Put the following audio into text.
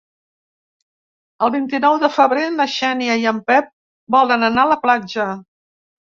El vint-i-nou de febrer na Xènia i en Pep volen anar a la platja.